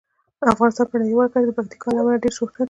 افغانستان په نړیواله کچه د پکتیکا له امله ډیر شهرت لري.